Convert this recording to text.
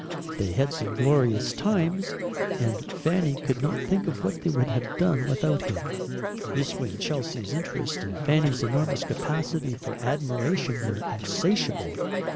They had some glorious times, and Fanny could not think what they would have done without him. Miss Winchelsea's interest and Fanny's enormous capacity for admiration were insatiable.